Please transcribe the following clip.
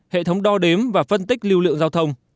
hệ thống đo đếm và phân tích lưu lượng giao thông